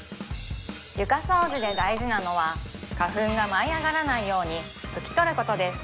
床掃除で大事なのは花粉が舞い上がらないように拭き取ることです